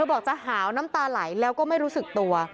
บอกจะหาวน้ำตาไหลแล้วก็ไม่รู้สึกตัว